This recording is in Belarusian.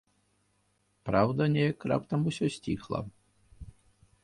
Праўда, неяк раптам усё сціхла.